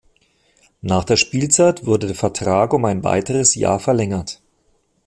Nach der Spielzeit wurde der Vertrag um ein weiteres Jahr verlängert.